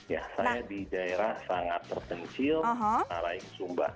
ya saya di daerah sangat terpencil tanah laing sumba